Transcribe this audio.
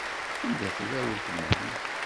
Anda tella weltma-m?